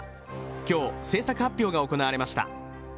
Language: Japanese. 今日、製作発表が行われました。